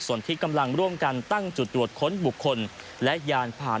ส่วนที่กำลังร่วมกันตั้งจุดตรวจค้นบุคคลและยานผ่าน